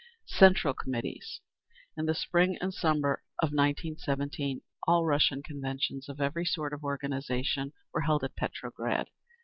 Central Committees In the spring and summer of 1917, All Russian conventions of every sort of organisation were held at Petrograd.